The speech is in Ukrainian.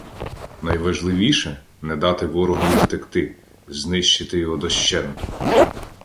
Найважливіше — не дати ворогові втекти, знищити його дощенту.